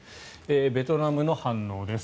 ベトナムの反応です。